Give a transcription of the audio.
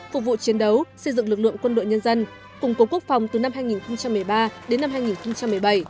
phục vụ chiến đấu xây dựng lực lượng quân đội nhân dân củng cố quốc phòng từ năm hai nghìn một mươi ba đến năm hai nghìn một mươi bảy